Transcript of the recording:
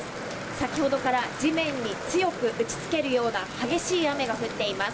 先ほどから地面に強く打ち付けるような激しい雨が降っています。